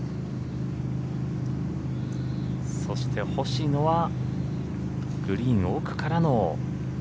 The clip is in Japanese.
そして星野はグリーン奥からの。